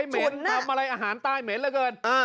เม็ดน่ะทำอะไรอาหารใต้เม็ดแล้วเกิน